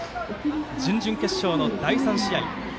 準々決勝の第３試合。